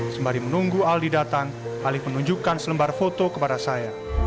sembari menunggu aldi datang alif menunjukkan selembar foto kepada saya